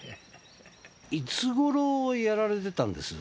いつ頃やられてたんです？